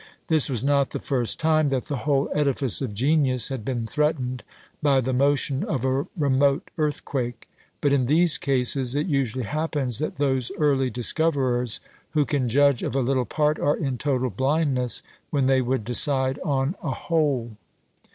This was not the first time that the whole edifice of genius had been threatened by the motion of a remote earthquake; but in these cases it usually happens that those early discoverers who can judge of a little part, are in total blindness when they would decide on a whole.